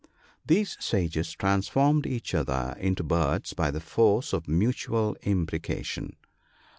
These sages transformed each other into birds, by the force of mutual imprecation.